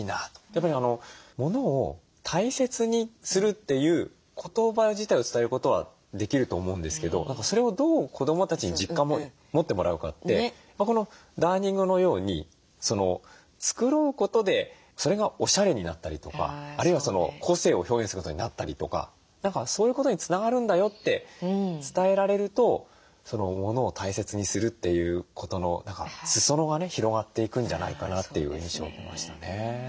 やっぱり物を大切にするっていう言葉自体を伝えることはできると思うんですけどそれをどう子どもたちに実感持ってもらうかってこのダーニングのように繕うことでそれがおしゃれになったりとかあるいは個性を表現することになったりとか何かそういうことにつながるんだよって伝えられると物を大切にするっていうことの裾野が広がっていくんじゃないかなという印象を受けましたね。